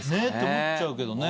思っちゃうけどね。